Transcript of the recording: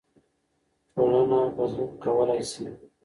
ټولنه بدلون کولای سي.